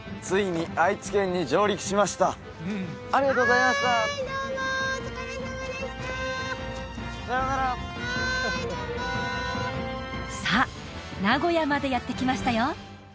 はいどうもさあ名古屋までやって来ましたよ